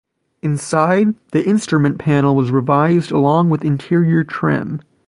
Inside, the instrument panel was revised along with interior trim.